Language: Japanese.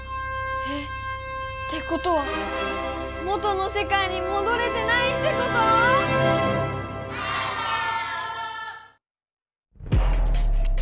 えってことは元のせかいにもどれてないってこと⁉ハロー！